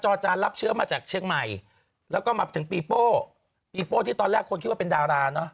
จานรับเชื้อมาจากเชียงใหม่แล้วก็มาถึงปีโป้ปีโป้ที่ตอนแรกคนคิดว่าเป็นดาราเนอะ